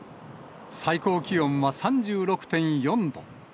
最高気温は３６．４度。